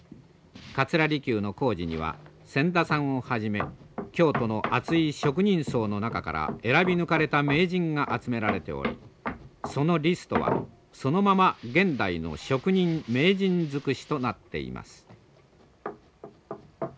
桂離宮の工事には千田さんをはじめ京都の厚い職人層の中から選び抜かれた名人が集められておりそのリストはそのまま現代の職人名人尽くしとなっています。